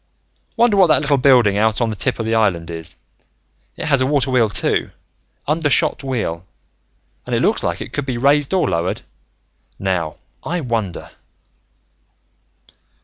"Wonder what that little building out on the tip of the island is, it has a water wheel too. Undershot wheel, and it looks like it could be raised or lowered. Now, I wonder...."